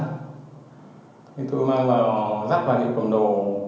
thì tôi mang vào dắt vào những cổng đồ